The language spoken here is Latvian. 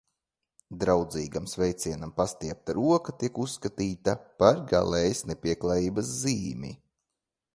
Draudzīgam sveicienam pastiepta roka tiek uzskatīta par galējas nepieklājības zīmi.